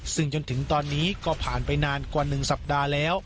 ซึ่งจนถึงตอนนี้ก็ผ่านไปนานกว่า๑สัปดาห์แล้ว